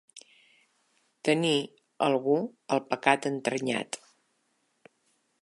Tenir, algú, el pecat entranyat.